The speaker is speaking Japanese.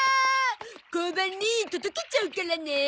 交番に届けちゃうからね。